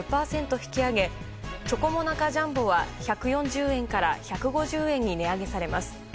引き上げチョコモナカジャンボは１４０円から１５０円に値上げされます。